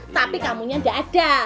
tapi kamu nya gak ada